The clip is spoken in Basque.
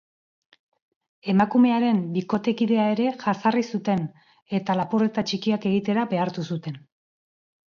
Emakumearen bikotekidea ere jazarri zuten, eta lapurreta txikiak egitera behartu zuten.